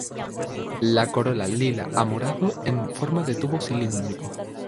La corola lila a morado, en forma de tubo cilíndrico.